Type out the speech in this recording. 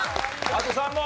あと３問。